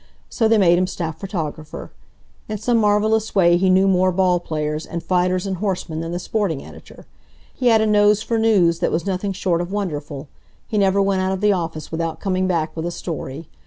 So they made him staff photographer. In some marvelous way he knew more ball players, and fighters and horsemen than the sporting editor. He had a nose for news that was nothing short of wonderful. He never went out of the office without coming back with a story.